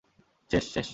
শেষ, শেষ।